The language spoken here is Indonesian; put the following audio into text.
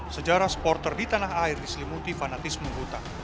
sejarah supporter di tanah air diselimuti fanatisme buta